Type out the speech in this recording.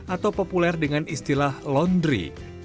atau populer dengan istilah laundry